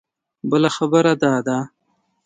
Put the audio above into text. بله خبره دا ده.